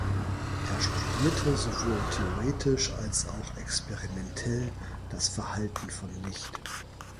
Er studierte sowohl theoretisch als auch experimentell das Verhalten von Licht.